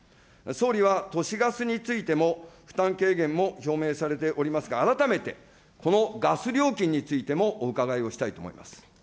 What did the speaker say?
総理は都市ガスについても負担軽減も表明されておりますが、改めてこのガス料金についてもお伺いをしたいと思います。